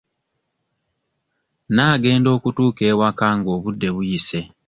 Naagenda okutuuka ewaka nga obudde buyise.